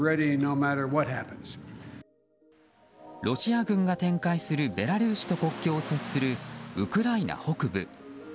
ロシア軍が展開するベラルーシと国境を接するウクライナ北部。